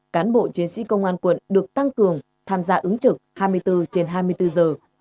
cán bộ chiến sĩ công an quận được tăng cường tham gia ứng trực hai mươi bốn trên hai mươi bốn giờ